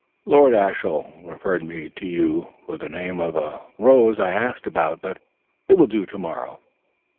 Lord Ashiel referred me to you for the name of a rose I asked about, but it will do to morrow."